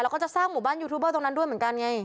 แล้วก็จะสร้างหมู่บ้านยูทูบเบอร์ตรงนั้นด้วยเหมือนกันไง